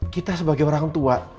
kita sebagai orang tua